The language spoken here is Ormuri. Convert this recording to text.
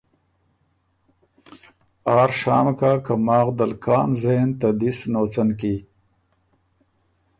آر شام کَۀ که ماخ دل کان زېن ته دِست نوڅن کی